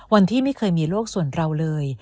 วันที่ไม่เคยมีโลกส่วนเราเลย